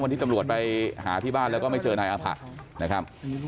วันนี้ตำรวจไปหาที่บ้านแล้วก็ไม่เจอนายอาผะนะครับ